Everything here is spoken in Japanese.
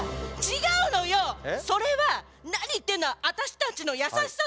それは何言ってんの？